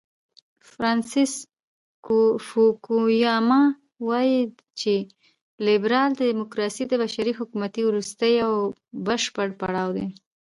فرانسیس فوکویاما وایي چې لیبرال دیموکراسي د بشري حکومتولۍ وروستی او بشپړ پړاو دی.